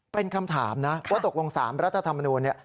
เป็นคำถามนะว่าตกลง๓รัฐธรรมนูล